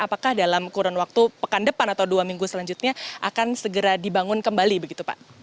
apakah dalam kurun waktu pekan depan atau dua minggu selanjutnya akan segera dibangun kembali begitu pak